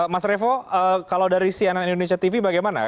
mas revo kalau dari cnn indonesia tv bagaimana